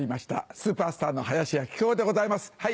スーパースターの林家木久扇でございますはい。